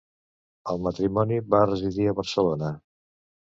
El matrimoni va residir a Barcelona.